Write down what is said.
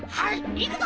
いくぞ！